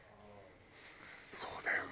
そうだよね。